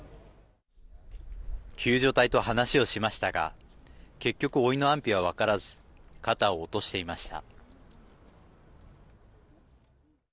救助隊と話をしましたが結局、おいの安否は分からず肩を落としていました。